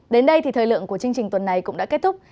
đến đây thì thời lượng của chương trình tuần này cũng đã kết thúc